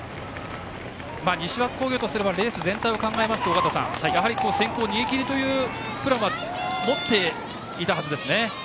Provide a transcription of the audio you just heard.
西脇工業とすればレース全体を考えますと尾方さん先行逃げ切りというプランは持っていたはずですね。